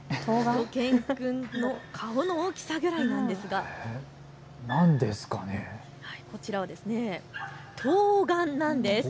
しゅと犬くんの顔の大きさくらいなんですがこちらはとうがんなんです。